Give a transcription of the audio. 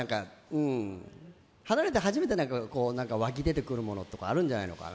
離れて初めて湧き出てくるものがあるんじゃないかな。